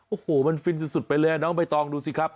โอ้โหมันฟินสุดไปเลยน้องใบตองดูสิครับ